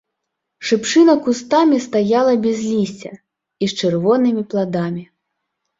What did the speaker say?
Шыпшына кустамі стаяла без лісця і з чырвонымі пладамі.